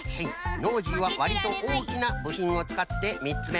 ノージーはわりとおおきなぶひんをつかってみっつめ。